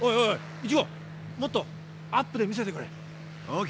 １号もっとアップで見せてくれ。ＯＫ！